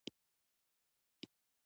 زردالو د افغان ځوانانو لپاره دلچسپي لري.